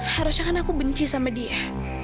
harusnya kan aku benci sama dia